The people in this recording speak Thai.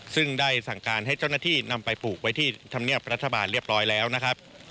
ซึ่งได้สั่งการให้เจ้าหน้าที่นำไปปลูกไว้ที่ธรรมเนียบรัฐบาลเรียบร้อยแล้วนะครับ